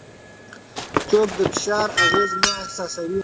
څوک د فشار اغېزه نه احساسوي؟